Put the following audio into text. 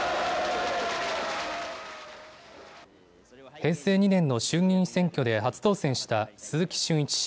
平成２年の衆議院選挙で初当選した鈴木俊一氏。